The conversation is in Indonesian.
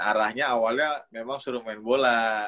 arahnya awalnya memang suruh main bola